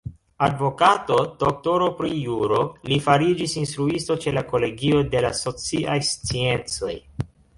Advokato, doktoro pri juro, li fariĝis instruisto ĉe la kolegio de la sociaj sciencoj.